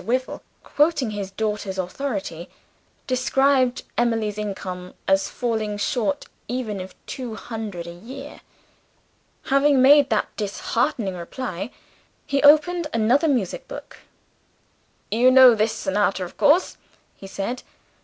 Wyvil, quoting his daughter's authority, described Emily's income as falling short even of two hundred a year. Having made that disheartening reply, he opened another music book. "You know this sonata, of course?" he said.